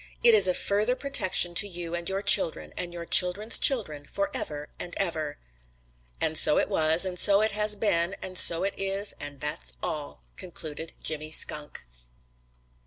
It is a further protection to you and your children and your children's children for ever and ever.' "And so it was, and so it has been, and so it is, and that's all," concluded Jimmy Skunk.